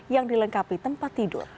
yang dilengkapi tempat tidur